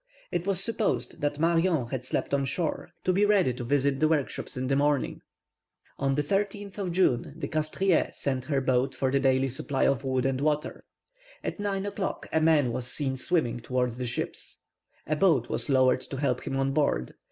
It was supposed that Marion had slept on shore, to be ready to visit the workshops in the morning. On the 13th of June the Castries sent her boat for the daily supply of wood and water. At nine o'clock a man was seen swimming towards the ships. A boat was lowered to help him on board.